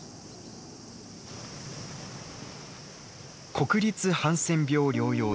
国立ハンセン病療養所